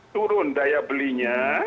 turun daya belinya